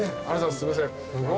すいません。